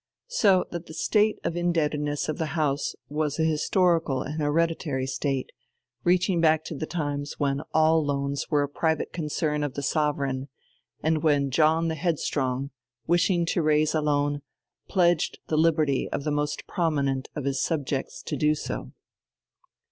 So that the state of indebtedness of the House was an historical and hereditary state, reaching back to the times when all loans were a private concern of the Sovereign, and when John the Headstrong, wishing to raise a loan, pledged the liberty of the most prominent of his subjects to do so.